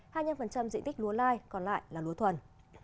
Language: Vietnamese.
hai mươi năm diện tích lúa lai còn lại là lúa thuần